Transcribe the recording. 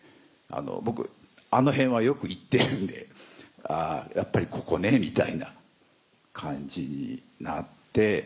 僕あの辺はよく行ってるんで「あやっぱりここね」みたいな感じになって。